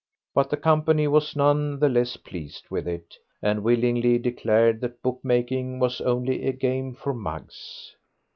But the company was none the less pleased with it, and willingly declared that bookmaking was only a game for mugs.